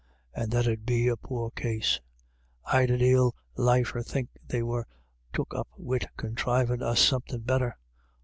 And that 'ud be a poor case. I'd a dale liefer think they were took up wid conthrivin' us somethin' better.